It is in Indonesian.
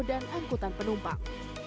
dan angkutan penumpang